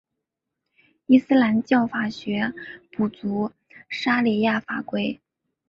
伊斯兰教法学补足沙里亚法规。